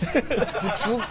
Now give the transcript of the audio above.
普通か。